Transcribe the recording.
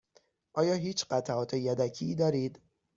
آیا هیچ قطعات یدکی دارید؟